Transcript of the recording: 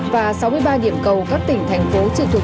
và sáu mươi ba điểm cầu các tỉnh thành phố trực thuộc